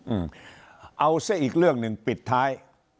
อืมเอาซะอีกเรื่องหนึ่งปิดท้าย